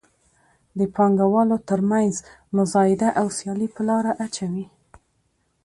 د پانګوالو تر مینځ مزایده او سیالي په لاره اچوي.